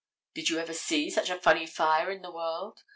Did you ever see such a funny fire in the world?